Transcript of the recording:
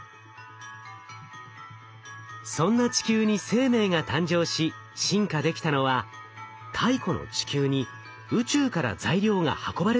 そんな地球に生命が誕生し進化できたのは太古の地球に宇宙から材料が運ばれてきたからではないか？